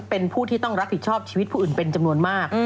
เป็นผู้ที่ต้องรับผิดชอบชีวิตผู้อื่นเป็นจำนวนมาก